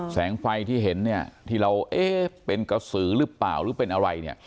แสงไฟที่เห็นเนี่ยที่เราเอ๊ะเป็นกระสือหรือเปล่าหรือเป็นอะไรเนี่ย